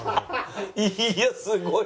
いやすごい。